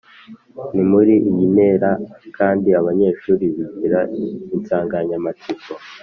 Ni muri iyi ntera kandi abanyeshuri bigira insanganyamatsiko